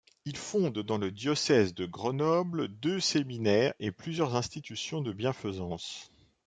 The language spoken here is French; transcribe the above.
Il fonde dans le diocèse de Grenoble, deux séminaires et plusieurs institutions de bienfaisance.